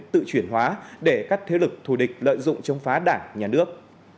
tự chuyển hóa để các thế lực thù địch lợi dụng chống phá đảng nhà nước